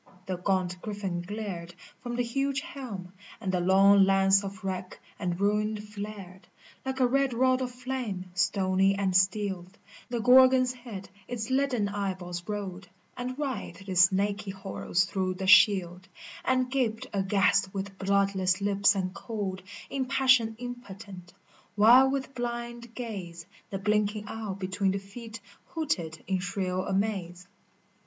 the gaunt Griffin glared From the huge helm, and the long lance of wreck and ruin flared Like a red rod of flame, stony and steeled The Gorgon's head its leaden eyeballs rolled, And writhed its snaky horrors through the shield, And gaped aghast with bloodless lips and cold In passion impotent, while with blind gaze The blinking owl between the feet hooted in shrill amaze.